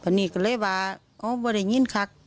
เพราะนี่ก็เลยว่าว่าได้ยินคัก